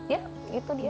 ya itu dia